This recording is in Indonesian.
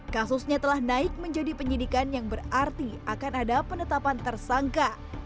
kasusnya telah naik menjadi penyidikan yang berarti akan ada penetapan tersangka